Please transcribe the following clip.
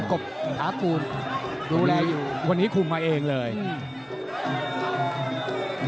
กบถาปูนดูแลอยู่วันนี้คุมมาเองเลยอืม